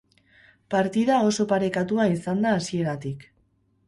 Partida oso parekatua izan da hasieratik.